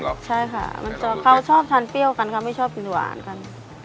ใช่ค่ะมันจะเขาชอบทานเปรี้ยวกันเขาไม่ชอบกินหวานกัน